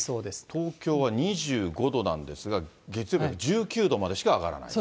東京は２５度なんですが、月曜日は１９度までしか上がらない。